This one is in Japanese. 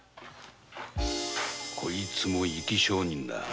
こいつも生き証人だ。